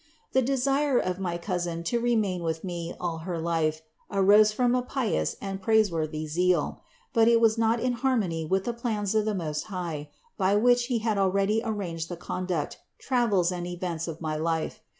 The desire of my cousin to remain with me all her life arose from a pious and praiseworthy zeal; but it was not in harmony with the plans of the Most High, by which He had already ar ranged the conduct, travels and events of my life.